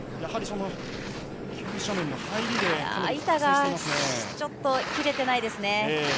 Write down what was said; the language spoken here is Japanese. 板がちょっと切れてないですね。